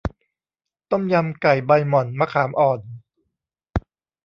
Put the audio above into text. ต้มยำไก่ใบหม่อนมะขามอ่อน